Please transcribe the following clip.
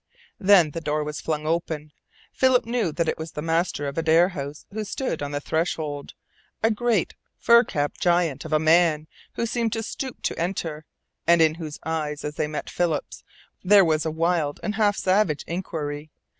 Then the door was flung open. Philip knew that it was the master of Adare House who stood on the threshold a great, fur capped giant of a man who seemed to stoop to enter, and in whose eyes as they met Philip's there was a wild and half savage inquiry.